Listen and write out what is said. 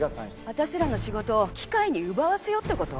私らの仕事を機械に奪わせようって事？